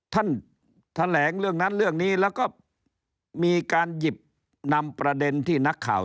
ท่านแถลงเรื่องนั้นเรื่องนี้แล้วก็มีการหยิบนำประเด็นที่นักข่าว